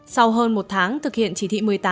sau hơn một tháng thực hiện chỉ thị